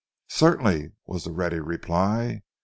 "Certainly," was the ready reply.